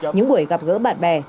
những buổi gặp gỡ bạn bè